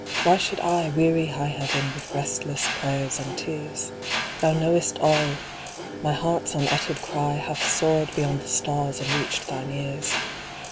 Why should I Weary high heaven with restless prayers and tears ? Thou knowest all ! My heart's unuttered cry Hath soared beyond the stars and reached Thine ears.